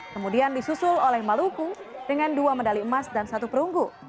kemudian disusul oleh maluku dengan dua medali emas dan satu perunggu